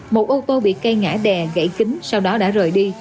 một ô tô bị cây ngã đè gãy kính sau đó đã rời đi